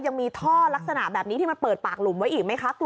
ยังมีท่อลักษณะแบบนี้ที่มันเปิดปากหลุมไว้อีกไหมคะ